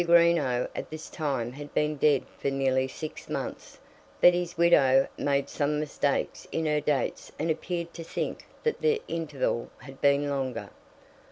Greenow at this time had been dead very nearly six months, but his widow made some mistakes in her dates and appeared to think that the interval had been longer.